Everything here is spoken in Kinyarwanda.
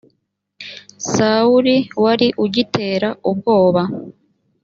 sawuli wari ugitera ubwoba